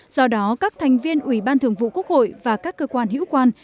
do đó các thành viên ủy ban thường vụ quốc hội và các cơ quan hữu quan